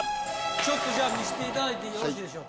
ちょっとじゃあ見して頂いてよろしいでしょうか？